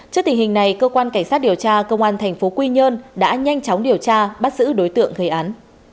trước tình hình này cơ quan cảnh sát điều tra công an thành phố quy nhơn đã nhanh chóng điều tra bắt giữ đối tượng gây án